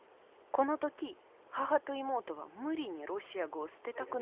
この時母と妹は無理にロシア語を捨てたくないと言った。